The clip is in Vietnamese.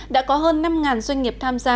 đã có hơn năm doanh nghiệp tham gia